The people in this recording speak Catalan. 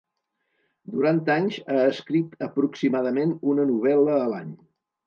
Durant anys ha escrit aproximadament una novel·la a l'any.